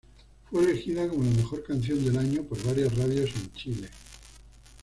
Fue elegida como la mejor canción del año por varias radios en Chile.